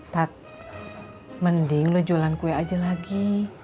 tat mending lu jualan kue aja lagi